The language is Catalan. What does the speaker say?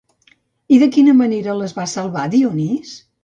I de quina manera les va salvar Dionís?